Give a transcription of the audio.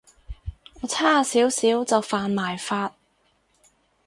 我差少少就犯埋法